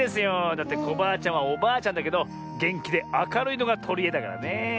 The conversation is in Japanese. だってコバアちゃんはおばあちゃんだけどげんきであかるいのがとりえだからねえ。